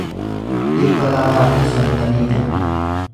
dhibba lamaa fi shantamii ja'a